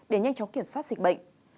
để nhanh chóng kiểm soát dịch bệnh